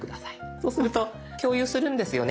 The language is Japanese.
そうすると「共有するんですよね